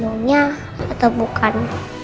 papa kanunya atau bukan